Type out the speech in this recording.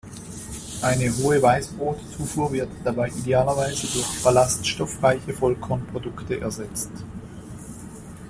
Eine hohe Weißbrotzufuhr wird dabei idealerweise durch ballaststoffreiche Vollkornprodukte ersetzt.